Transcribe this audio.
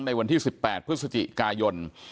ในวันที่๑๘พฤศจิกายน